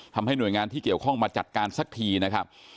ทำให้หน่วยงานที่เกี่ยวข้องมาจัดการสักทีนะครับ